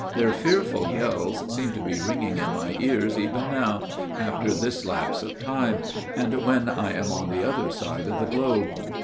Their fearful yells seem to be ringing in my ears even now, after this lapse of time, and when I am on the other side of the globe.